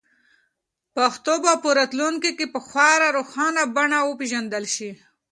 پښتو به په راتلونکي کې په خورا روانه بڼه وپیژندل شي.